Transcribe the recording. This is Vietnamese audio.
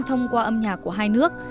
thông qua âm nhạc của hai nước